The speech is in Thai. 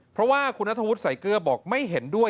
เพราะว่าคุณนัทธวุฒิใส่เกลือบอกไม่เห็นด้วย